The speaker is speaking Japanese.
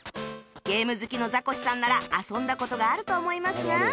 ゲーム好きのザコシさんなら遊んだ事があると思いますが